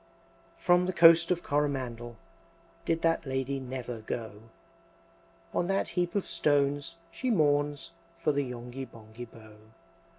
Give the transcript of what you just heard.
X. From the Coast of Coromandel Did that Lady never go; On that heap of stones she mourns For the Yonghy Bonghy Bò.